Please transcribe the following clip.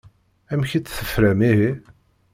Amek i tt-tefram ihi?